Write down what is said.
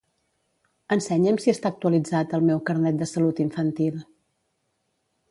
Ensenya'm si està actualitzat el meu Carnet de salut infantil.